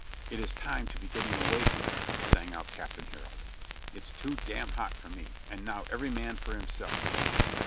"It is time to be getting away from here," sang out Captain Herald. "It's too d hot for me, and now every man for him self!"